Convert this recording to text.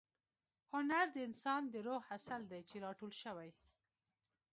هنر د انسان د روح عسل دی چې را ټول شوی.